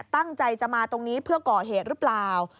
ตั้งใจจะมาตรงนี้เพื่อก่อเหตุหรือเปล่า